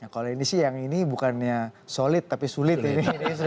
kalau ini sih yang ini bukannya solid tapi sulit ini